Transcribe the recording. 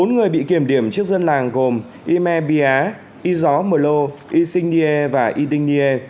bốn người bị kiểm điểm trước dân làng gồm yme bia yzo molo yxin nie và yding nie